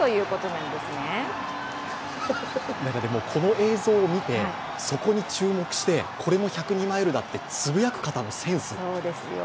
なんかでもこの映像を見てそこに注目して、これも１０２マイルだとつぶやく方のセンス。